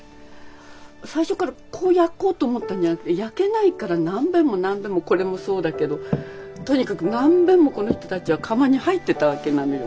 最初からこう焼こうと思ったんじゃなくて焼けないから何べんも何べんもこれもそうだけどとにかく何べんもこのひとたちは窯に入ってたわけなのよ。